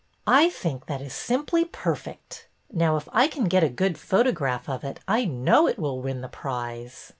'' I think that is simply perfect. Now, if I can get a good photograph of it I know it will win the prize."